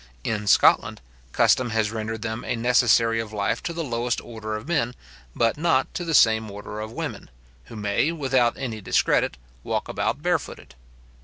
In Scotland, custom has rendered them a necessary of life to the lowest order of men; but not to the same order of women, who may, without any discredit, walk about barefooted.